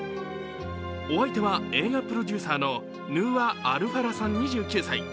お相手は映画プロデューサーのヌーア・アルファラさん２９歳。